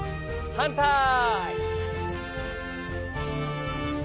はんたい。